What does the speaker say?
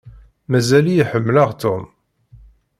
Mazal-iyi ḥemmleɣ Tom.